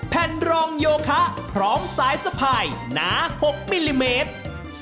แผ่นรองโยคะพร้อมสายสะพายหนา๖มิลลิเมตร